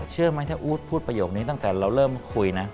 เชื่อไหมถ้าอู๊ดพูดประโยคนี้ตั้งแต่เราเริ่มคุยนะ